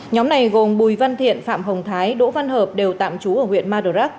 nhóm này gồm bùi văn thiện phạm hồng thái đỗ văn hợp đều tạm trú ở huyện madurak